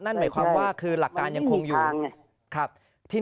นั่นหมายความว่าคือหลักการยังคงอยู่ครับ